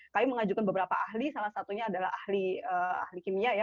kami mengajukan beberapa ahli salah satunya adalah ahli kimia ya